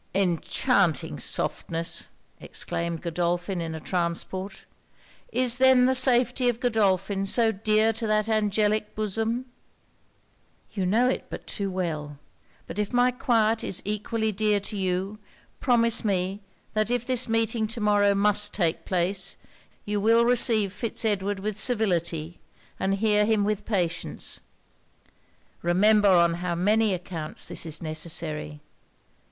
'Enchanting softness!' exclaimed Godolphin in a transport 'Is then the safety of Godolphin so dear to that angelic bosom?' 'You know it but too well. But if my quiet is equally dear to you, promise me that if this meeting to morrow must take place, you will receive Fitz Edward with civility, and hear him with patience. Remember on how many accounts this is necessary.